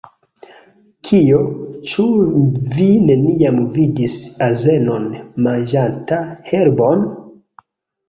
Kio? Ĉu vi neniam vidis azenon manĝanta herbon?